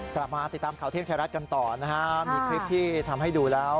กลับมาติดตามข่าวเที่ยงไทยรัฐกันต่อนะฮะมีคลิปที่ทำให้ดูแล้ว